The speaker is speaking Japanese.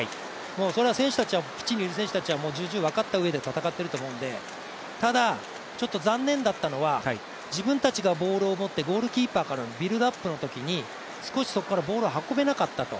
それはピッチにいる選手たちは重々分かったうえで戦っていると思うのでただ、残念だったのは、自分たちがボールを持って、ゴールキーパーからビルドアップのときに少しそこからボールを運べなかったと。